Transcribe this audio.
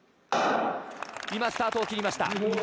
今、スタートを切りました。